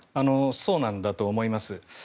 そうなんだと思います。